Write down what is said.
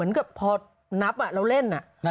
เดินขายก็แขน